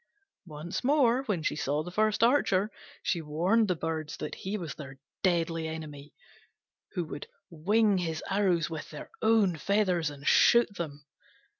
Once more, when she saw the first archer, she warned the Birds that he was their deadly enemy, who would wing his arrows with their own feathers and shoot them.